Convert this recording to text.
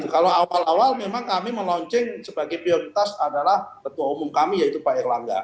kalau awal awal memang kami melonceng sebagai prioritas adalah ketua umum kami yaitu pak erlangga